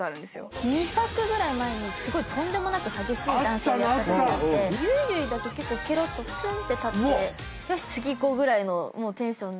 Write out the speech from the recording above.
２作ぐらい前にすごいとんでもなく激しいダンスをやったときがあってゆいゆいだけ結構ケロッとスン！って立ってよし次いこうぐらいのテンションで。